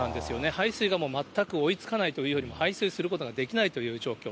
排水が全く追いつかないというよりも、排水することができないという状況。